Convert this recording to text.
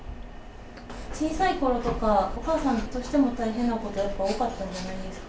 小さいころとか、お母さんとしても大変なことがやっぱり多かったんじゃないんですか。